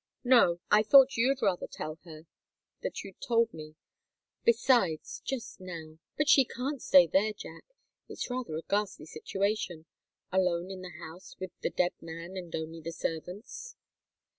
"No. I thought you'd rather tell her that you'd told me. Besides just now! But she can't stay there, Jack. It's rather a ghastly situation alone in the house with the dead man, and only the servants.